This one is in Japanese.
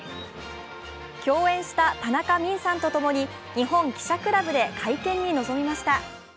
共演した田中泯さんと共に、日本記者クラブで会見に臨みました。